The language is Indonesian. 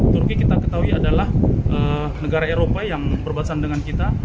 turki kita ketahui adalah negara eropa yang berbatasan dengan kita